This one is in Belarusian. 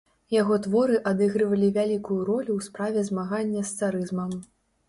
Яго творы адыгрывалі вялікую ролю ў справе змагання з царызмам.